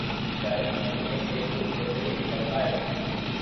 شاید اسی میں سے کچھ بہتری نکل آئے۔